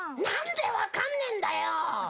なんでわかんねえんだよ。